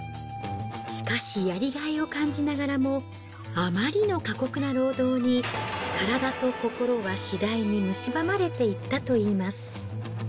しかしやりがいを感じながらも、あまりの過酷な労働に、体と心は次第にむしばまれていったといいます。